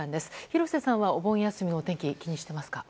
廣瀬さんはお盆休みのお天気気にしていますか？